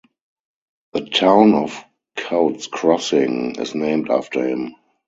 The town of Coutts Crossing is named after him.